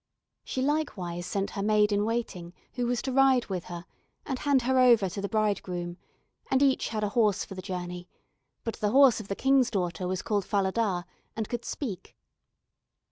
She likewise sent her maid in waiting, who was to ride with her, and hand her over to the bridegroom, and each had a horse for the journey, but the horse of the King's daughter was called Falada, and could speak.